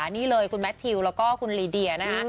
นี่เลยคุณแมททิวและคุณลีเดีย